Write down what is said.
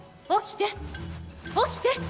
起きて！起きて！